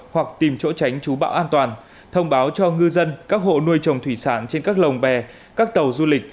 hoặc tìm chỗ tránh chú bão an toàn thông báo cho ngư dân các hộ nuôi trồng thủy sản trên các lồng bè các tàu du lịch